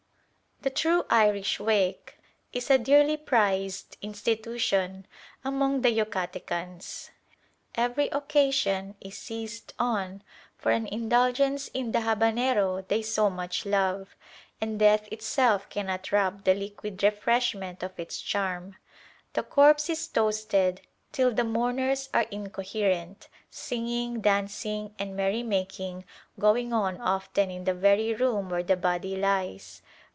The true Irish wake is a dearly prized institution among the Yucatecans. Every occasion is seized on for an indulgence in the habanero they so much love; and death itself cannot rob the liquid refreshment of its charm. The corpse is toasted till the mourners are incoherent; singing, dancing, and merrymaking going on often in the very room where the body lies.